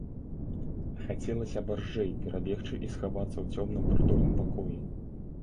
Хацелася барзджэй перабегчы і схавацца ў цёмным прытульным пакоі.